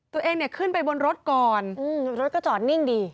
ตัวเองเนี่ยขึ้นไปบนรถก่อนรถก็จอดนิ่งดี